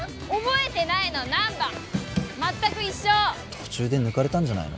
途中で抜かれたんじゃないの？